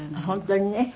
本当にね。